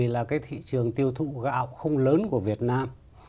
là cái thị trường tiêu thụ gạo không lớn của việt nam